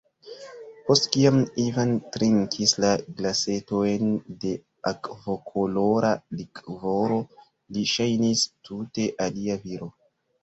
Post kiam Ivan trinkis la glasetojn da akvokolora likvoro, li ŝajnis tute alia viro.